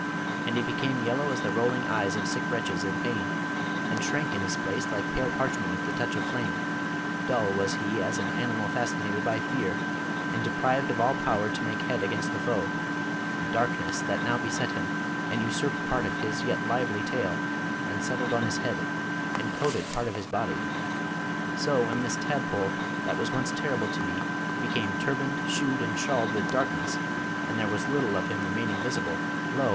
And he became yellow as the rolling eyes of sick wretches in pain, and shrank in his place like pale parchment at the touch of flame; dull was he as an animal fascinated by fear, and deprived of all power to make head against the foe, darkness, that now beset him, and usurped part of his yet lively tail, and settled on his head, and coated part of his body. So when this tadpole, that was once terrible to me, became turbaned, shoed, and shawled with darkness, and there was little of him remaining visible, lo!